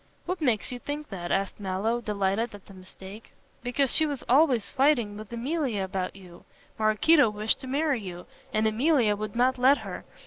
"What makes you think that?" asked Mallow, delighted at the mistake. "Because she was always fighting with Emilia about you. Maraquito wished to marry you, and Emilia would not let her.